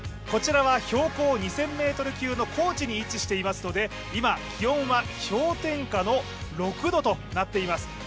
こちらは、標高２０００級の高地に位置していますので今、気温は氷点下の６度となっています。